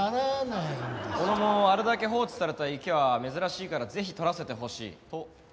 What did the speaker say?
小野もあれだけ放置された池は珍しいからぜひ撮らせてほしいと言ってた。